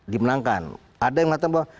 dimenangkan ada yang mengatakan bahwa